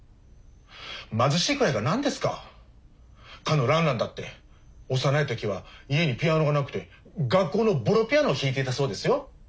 貧しいくらいが何ですかかのラン・ランだって幼い時は家にピアノがなくて学校のぼろピアノを弾いていたそうですよ。